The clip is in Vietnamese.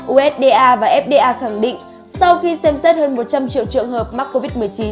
usda và fda khẳng định sau khi xem xét hơn một trăm linh triệu trường hợp mắc covid một mươi chín